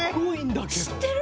知ってる！